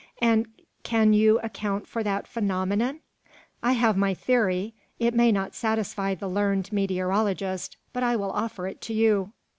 "And can you account for that phenomenon?" "I have my theory. It may not satisfy the learned meteorologist, but I will offer it to you."